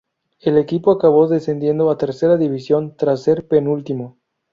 El equipo acabó descendiendo a Tercera División, tras ser penúltimo.